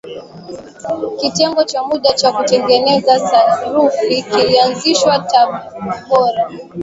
kitengo cha muda cha kutengeneza sarafu kilianzishwa tabora